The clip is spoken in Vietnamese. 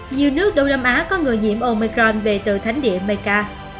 nhiều nước đông nam á có người nhiễm omicron về từ thánh địa meka